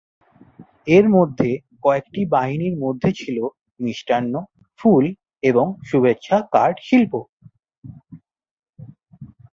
এর মধ্যে কয়েকটি বাহিনীর মধ্যে ছিল মিষ্টান্ন, ফুল এবং শুভেচ্ছা কার্ড শিল্প।